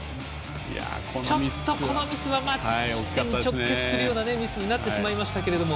ちょっと、このミスは失点に直結するようなミスになってしまいましたけど。